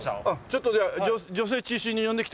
ちょっとじゃあ女性中心に呼んできてください。